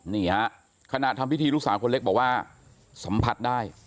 นี่ฮะขณะทำพิธีลูกสาวคนเล็กบอกว่าสัมผัสได้